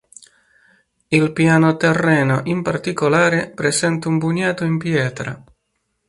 Il piano terreno, in particolare, presenta un bugnato in pietra.